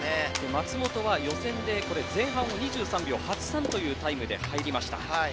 松元は予選で前半を２３秒８３というタイムで入りました。